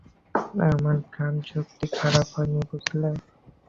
আমার ঘ্রাণশক্তি খারাপ হয়নি, বুঝলে।